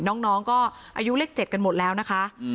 น้องก็อายุเลข๗กันหมดแล้วนะคะ